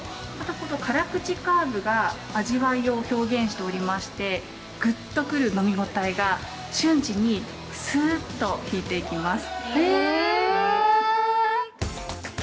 辛口カーブが味わいを表現しておりましてグッと来る飲み応えが瞬時にスウと引いていきます。